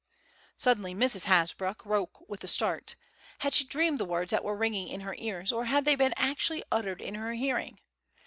Suddenly Mrs. Hasbrouck woke with a start. Had she dreamed the words that were ringing in her ears, or had they been actually uttered in her hearing?